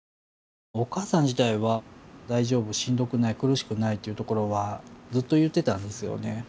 お母さん自体は「大丈夫しんどくない苦しくない」というところはずっと言ってたんですよね。